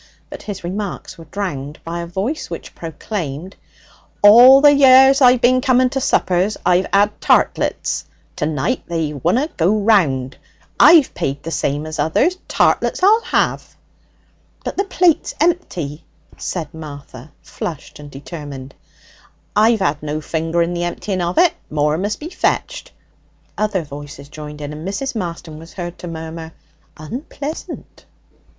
But his remarks were drowned by a voice which proclaimed: 'All the years I've bin to suppers I've 'ad tartlets! To night they wunna go round. I've paid the same as others. Tartlets I'll 'ave!' 'But the plate's empty,' said Martha, flushed and determined. 'I've had no finger in the emptying of it. More must be fetched.' Other voices joined in, and Mrs. Marston was heard to murmur, 'Unpleasant.'